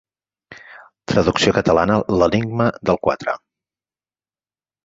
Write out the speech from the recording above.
Traducció catalana L'enigma del quatre.